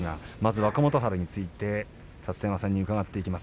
若元春について立田山さんに伺います。